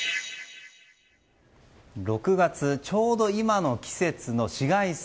６月ちょうど今の季節の紫外線。